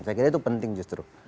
saya kira itu penting justru